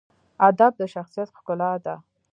ادب د شخصیت ښکلا ده.